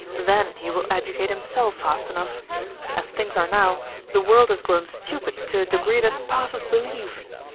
THEN he will educate himself fast enough. As things are now, the world has grown stupid to a degree that passes belief.